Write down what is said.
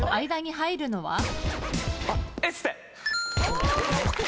間に入るのは？